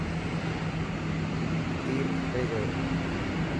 تير کٽي گيو.